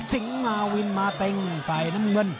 สิงหมาวินมาเต็งฝ่ายน้ำเงิน